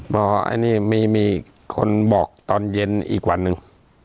พออันนี้มีคนบอกตอนเย็นอีกวันหนึ่ง